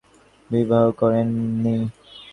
ঘটক জিভ কেটে বললে, না, তিনি বিবাহ করেন নি।